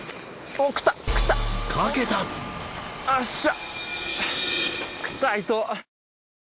おっしゃ！